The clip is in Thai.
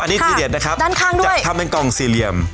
อันนี้ทีเด็ดนะครับด้านข้างด้วยจะทำเป็นกล่องสี่เหลี่ยม